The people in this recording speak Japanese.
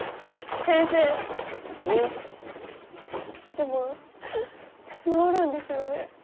でも治るんですよね？